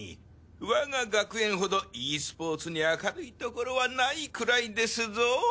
我が学園ほどＥスポーツに明るいところはないくらいですぞ。